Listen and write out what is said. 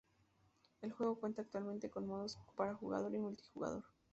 El juego cuenta actualmente con modos para un jugador y multijugador.